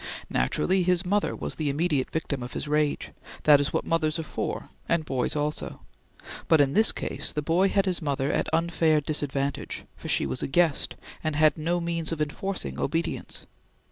Naturally his mother was the immediate victim of his rage; that is what mothers are for, and boys also; but in this case the boy had his mother at unfair disadvantage, for she was a guest, and had no means of enforcing obedience.